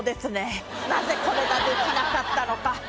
なぜこれができなかったのか